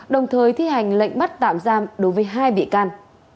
đồng thời thi hành lệnh bắt tạm giam đối với hai bị can